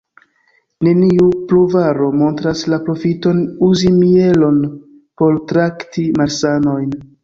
Neniu pruvaro montras la profiton uzi mielon por trakti malsanojn.